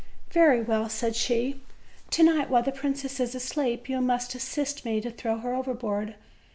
"Very well," said she, "to night, while the princess is asleep, you must assist me to throw her overboard.